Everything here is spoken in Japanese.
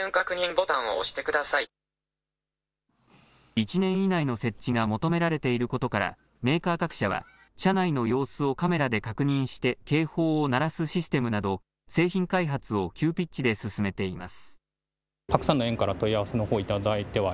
１年以内の設置が求められていることからメーカー各社は車内の様子をカメラで確認して警報を鳴らすシステムなど製品開発を急ピッチで進めています。